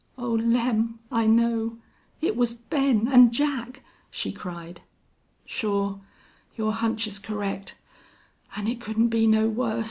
"Oh, Lem!... I know. It was Ben and Jack," she cried. "Shore. Your hunch's correct. An' it couldn't be no wuss!"